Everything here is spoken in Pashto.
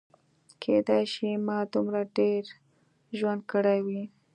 کیدای شي ما دومره ډېر ژوند کړی وي.